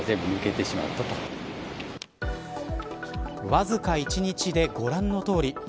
わずか１日でご覧のとおり。